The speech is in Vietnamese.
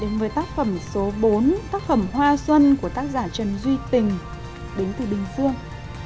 một mươi tác phẩm số bốn tác phẩm hoa xuân của tác giả trần duy tình đến từ bình dương